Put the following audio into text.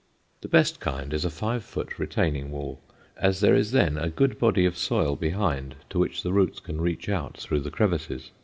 The best kind is a five foot retaining wall, as there is then a good body of soil behind to which the roots can reach out through the crevices.